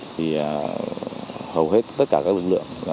thì hầu hết tất cả các lực lượng